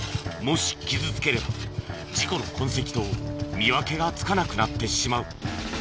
もし傷つければ事故の痕跡と見分けがつかなくなってしまう。